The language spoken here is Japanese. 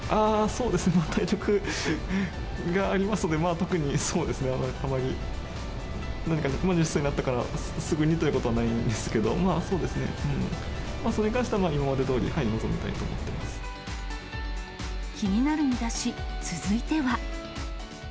そうですね、対局がありますので、特にそうですね、あまり何か２０歳になったから、すぐにということはないんですけど、そうですね、それに関しては、今までどおり臨みたいと思ってま気になるミダシ、続いては。